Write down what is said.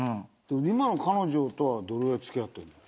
今の彼女とはどれぐらい付き合ってるの？